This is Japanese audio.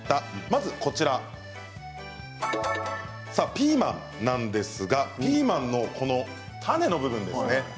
まずピーマンなんですがピーマンの種の部分ですね。